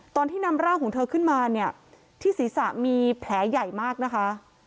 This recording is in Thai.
ตอนที่นำร่างของเธอขึ้นมาเนี่ยที่ศีรษะมีแผลใหญ่มากนะคะ